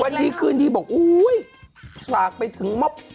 วันนี้คืนที่บอกอุ้ยสากไปถึงมบ